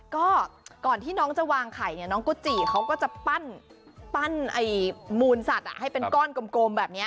ก็ก่อนที่น้องจะวางไข่เนี่ยน้องกุจิเขาก็จะปั้นมูลสัตว์ให้เป็นก้อนกลมแบบนี้